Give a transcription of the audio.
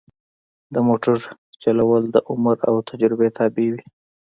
د موټر چلول د عمر او تجربه تابع دي.